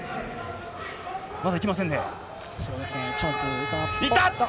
まだいきませんね。